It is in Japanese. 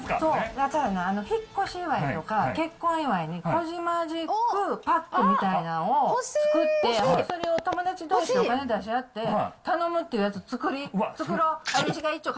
引っ越し祝いとか、結婚祝いにコジマジックパックみたいなんを作って、それを友達どうしで、お金出し合って頼むってやつ作り、作ろう。